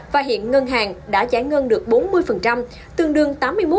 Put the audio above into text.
và hiện ngân hàng đã giả ngân được bốn mươi tương đương tám mươi một một trăm chín mươi